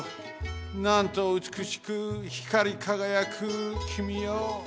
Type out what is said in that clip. なんとうつくしくひかりかがやくきみよ！